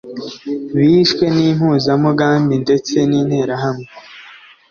bishwe n’impuzamugambi ndetse n’interahamwe